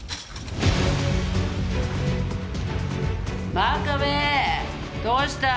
「真壁どうした？」